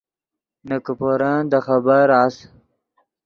نے کیپورن دے خبر اس